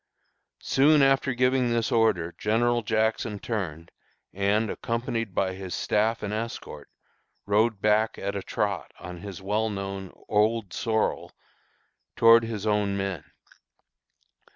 Soon after giving this order General Jackson turned, and, accompanied by his staff and escort, rode back at a trot, on his well known 'Old Sorrel,' toward his own men.